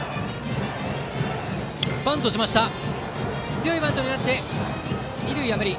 強いバントになって二塁は無理。